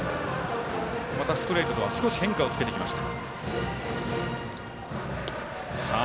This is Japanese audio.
またストレートとは少し変化をつけてきました。